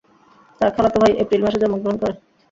তার খালাতো ভাই এপ্রিল মাসে জন্মগ্রহণ করে।